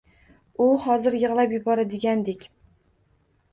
U xuddi hozir yigʻlab yuboradigandek.